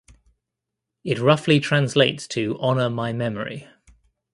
It roughly translates to honor my memory.